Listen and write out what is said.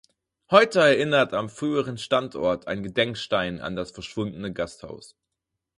Heute erinnert am früheren Standort ein Gedenkstein an das verschwundene Gasthaus.